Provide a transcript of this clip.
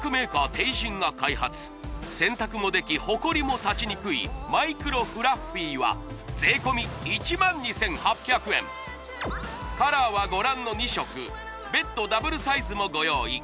テイジンが開発洗濯もできホコリも立ちにくいマイクロフラッフィーは税込１万２８００円カラーはご覧の２色別途ダブルサイズもご用意